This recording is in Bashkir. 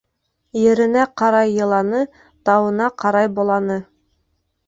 Еренә ҡарай йыланы, тауына ҡарай боланы.